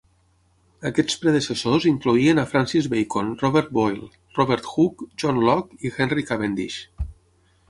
Aquests predecessors incloïen a Francis Bacon, Robert Boyle, Robert Hooke, John Locke i Henry Cavendish.